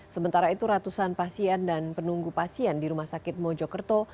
sementara itu ratusan pasien dan penunggu pasien di rumah sakit mojokerto